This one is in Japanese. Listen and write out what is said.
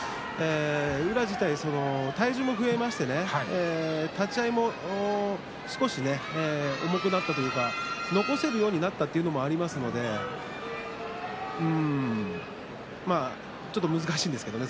体重も増えましたし立ち合いも少し重くなったというか残せるようになったということがありますのでちょっと難しいんですけどね